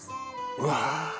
うわ